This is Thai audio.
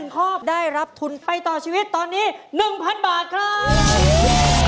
๑ข้อได้รับทุนไปต่อชีวิตตอนนี้๑๐๐บาทครับ